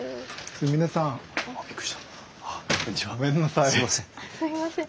すいません。